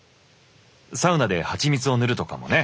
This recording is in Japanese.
サウナではちみつを塗るとかもね。